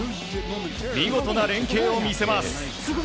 見事な連携を見せます。